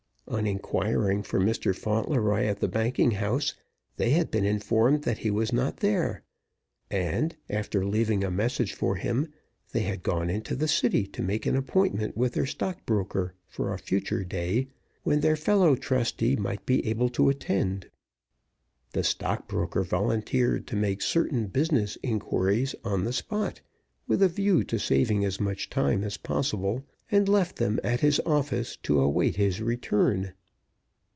On inquiring for Mr. Fauntleroy at the banking house, they had been informed that he was not there; and, after leaving a message for him, they had gone into the City to make an appointment with their stockbroker for a future day, when their fellow trustee might be able to attend. The stock broker volunteered to make certain business inquiries on the spot, with a view to saving as much time as possible, and left them at his office to await his return.